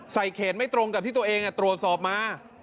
เขตไม่ตรงกับที่ตัวเองตรวจสอบมา